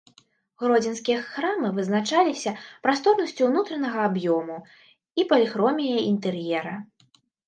Гродзенскія храмы вызначаліся прасторнасцю ўнутранага аб'ёму і паліхроміяй інтэр'ера.